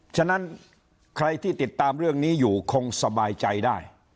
ฉะนั้นใครที่ติดตามเรื่องนี้อยู่คงสบายใจได้